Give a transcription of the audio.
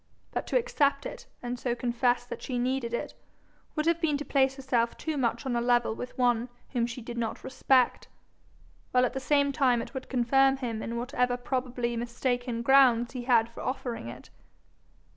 But to accept it, and so confess that she needed it, would have been to place herself too much on a level with one whom she did not respect, while at the same time it would confirm him in whatever probably mistaken grounds he had for offering it.